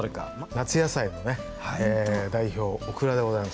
夏野菜のね代表オクラでございますよ。